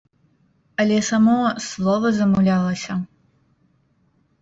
Але само слова замулялася.